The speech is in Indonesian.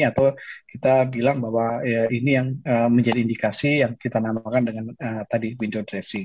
atau kita bilang bahwa ini yang menjadi indikasi yang kita namakan dengan tadi window dressing